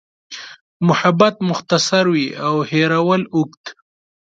محبت مختصر وي او هېرول اوږد.